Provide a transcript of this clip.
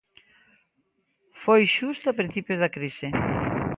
Foi xusto a principios da crise.